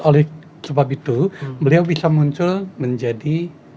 oleh sebab itu beliau bisa muncul menjadi